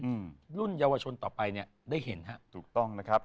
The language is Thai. อืมรุ่นเยาวชนต่อไปเนี้ยได้เห็นฮะถูกต้องนะครับ